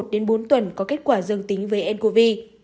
đến bốn tuần có kết quả dương tính với ncov